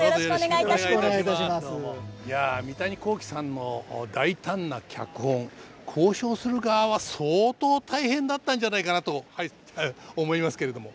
いや三谷幸喜さんの大胆な脚本考証する側は相当大変だったんじゃないかなと思いますけれども。